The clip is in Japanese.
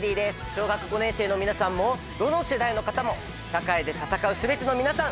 小学５年生の皆さんもどの世代の方も社会で闘う全ての皆さん。